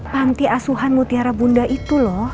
pantiasuhan mutiara bunda itu loh